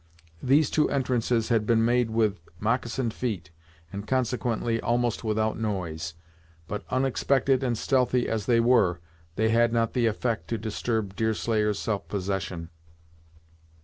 These two entrances had been made with moccasined feet, and consequently almost without noise, but, unexpected and stealthy as they were, they had not the effect to disturb Deerslayer's self possession.